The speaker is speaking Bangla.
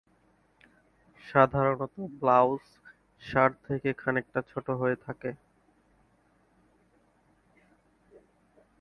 সাধারণত ব্লাউজ, শার্ট থেকে খানিকটা ছোট হয়ে থাকে।